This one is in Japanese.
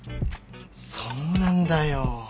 そうなんだよ。